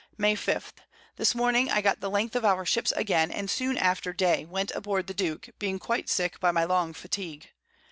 May 5. This Morning I got the Length of our Ships again, and soon after Day went aboard the Duke, being quite sick by my long Fatigue.